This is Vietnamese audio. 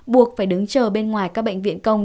buộc phải đứng chờ bên ngoài các bệnh viện công